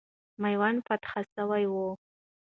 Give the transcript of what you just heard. میوند فتح سوی وو.